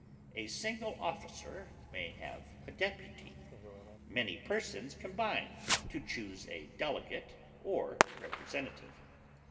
A single officer may have a deputy; many persons combine to choose a delegate or representative.